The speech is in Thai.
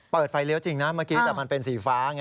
ไฟเลี้ยวจริงนะเมื่อกี้แต่มันเป็นสีฟ้าไง